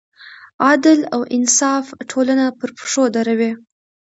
عدل او انصاف ټولنه پر پښو دروي.